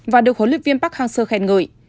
và được huấn luyện viên park hang seo khen ngợi